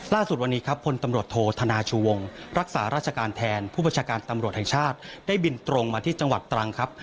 ล่าสุดวันนี้ครับพลตำรวจโทษธนาชูวงรักษาราชการแทนผู้บัญชาการตำรวจแห่งชาติได้บินตรงมาที่จังหวัดตรังครับ